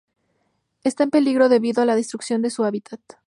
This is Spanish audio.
Está en peligro debido a la destrucción de su hábitat.